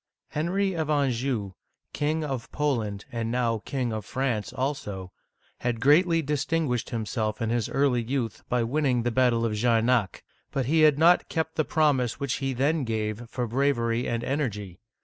Henry of Anjou, King of Poland, and now King of France also, had greatly distinguished himself in his early youth by winning the battle of Jarnac'; but he had not kept the promise which he then gave for bravery and en ergy.